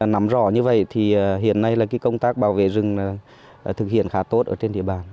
nắm rõ như vậy thì hiện nay là công tác bảo vệ rừng thực hiện khá tốt ở trên địa bàn